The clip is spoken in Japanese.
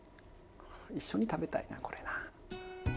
一緒に食べたいなこれな。